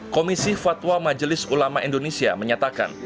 komisi fatwa majelis ulama indonesia menyatakan